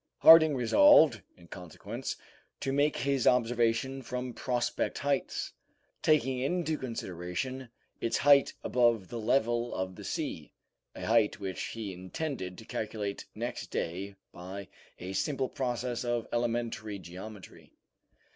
Harding resolved, in consequence, to make his observation from Prospect Heights, taking into consideration its height above the level of the sea a height which he intended to calculate next day by a simple process of elementary geometry.